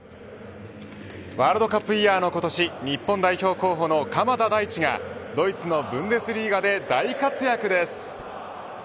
ワールドカップイヤーの今年日本代表候補の鎌田大地がドイツのブンデスリーガで大活躍です。